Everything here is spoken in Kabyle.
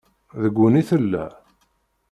Deg-wen i tella.